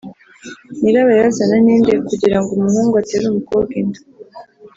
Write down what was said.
nyirabayazana ni nde kugira ngo umuhungu atere umukobwa inda